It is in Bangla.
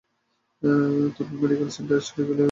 তোর বোন মেডিকেল স্টোরে গেছে, এখনো ফিরে আসেনি।